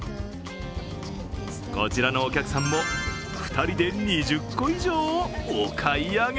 こちらのお客さんも２人で２０個以上をお買い上げ。